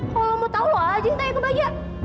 kalau lo mau tau lo aja nanya ke baja